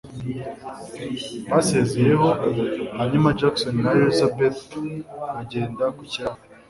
Basezeyeho, hanyuma Jackson na Elisabeth bagenda ku kiraro.